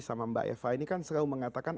sama mbak eva ini kan selalu mengatakan